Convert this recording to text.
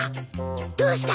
どうしたの？